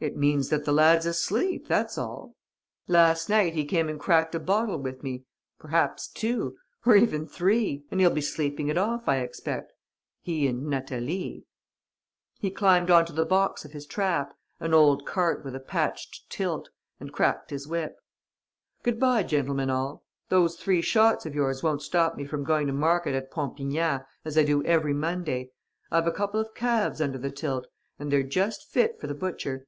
"It means that the lad's asleep, that's all. Last night, he came and cracked a bottle with me ... perhaps two ... or even three; and he'll be sleeping it off, I expect ... he and Natalie." He climbed on to the box of his trap an old cart with a patched tilt and cracked his whip: "Good bye, gentlemen all. Those three shots of yours won't stop me from going to market at Pompignat, as I do every Monday. I've a couple of calves under the tilt; and they're just fit for the butcher.